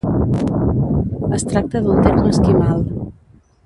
Es tracta d'un terme esquimal.